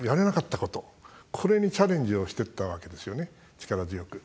これに、チャレンジをしていったわけですよね、力強く。